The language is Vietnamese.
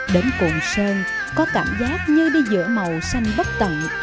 đến cuồn sơn có cảm giác như đi giữa màu xanh bất tận